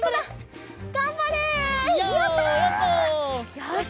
よし！